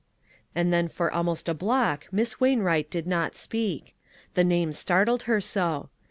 And then for almost a block Miss Wain wright did not speak. The name startled her so.